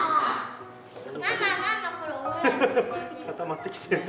固まってきてる。